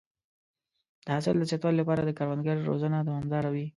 د حاصل د زیاتوالي لپاره د کروندګرو روزنه دوامداره وي.